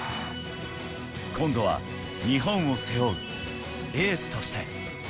今度は日本を背負うエースとして。